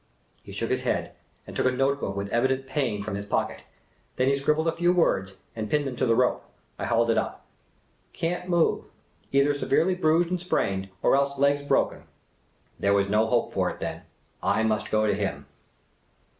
He shook his head, and took a note book with evident pain The Impromptu Mountaineer i37 from his pocket. Then he scribbled a few words, and pinned them to the rope. I hauled it up. " Can't move. Either severely bruised and sprained, or else legs broken." There was no help for it, then. I must go to him.